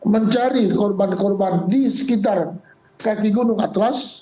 mencari korban korban di sekitar kaki gunung atlas